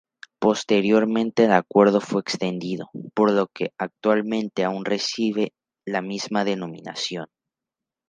Posteriormente, el acuerdo fue extendido, por lo que actualmente aún recibe la misma denominación.